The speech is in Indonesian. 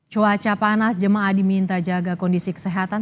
cuaca panas jemaah diminta jaga kondisi kesehatan